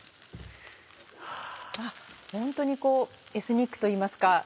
本当にこうエスニックといいますか。